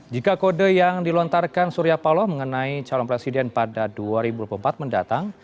jika kode yang dilontarkan suryapalo mengenai calon presiden pada dua ribu empat mendatang